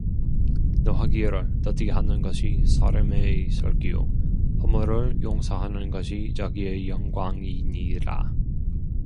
노하기를 더디하는 것이 사람의 슬기요 허물을 용서하는 것이 자기의 영광이니라